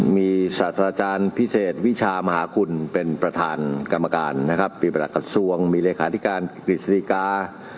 มีศาสตราจารย์พิเศษวิชามหาคุณเป็นประธานกรรมการนะครับมีประหลักกระทรวงมีเลขาธิการกฤษฎิกา